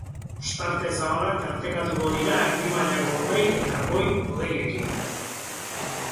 Ostarte zabalak tartekatuko dira erdi mailako hodei eta goi-hodeiekin.